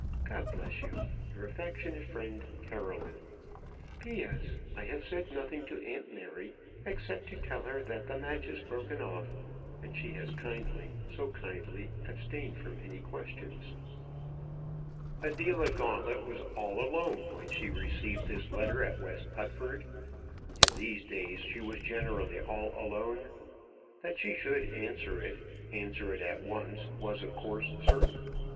God bless you. Your affectionate friend, CAROLINE. P.S. I have said nothing to aunt Mary, except to tell her that the match is broken off; and she has kindly so kindly, abstained from any questions. Adela Gauntlet was all alone when she received this letter at West Putford. In these days she generally was all alone. That she should answer it, answer it at once, was of course certain.